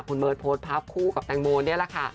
คุณเบิร์ตโพสต์ภาพคู่กับแตงโมนี่แหละค่ะ